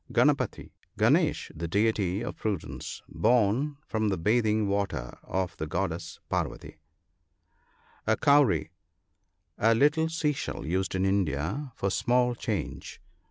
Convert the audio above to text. Gunpattee. — Gunesh ; the deity of prudence. Born from the bathing water of the Goddess Parvati. (60.) •A cowry. — The little sea shell used in India for small change.